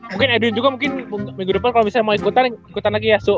mungkin edwin juga minggu depan kalo mau ikutan ikutan lagi ya su